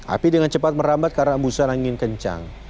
api dengan cepat merambat karena busa langit kencang